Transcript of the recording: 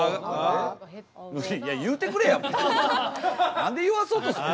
何で言わそうとする。